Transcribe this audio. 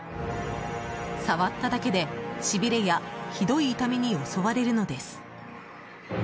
触っただけで、しびれやひどい痛みに襲われるのです。